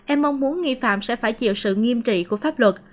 em mong muốn nghi phạm sẽ phải chịu sự nghiêm trị của pháp luật